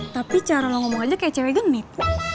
tapi cara ngomong aja kayak cewek genit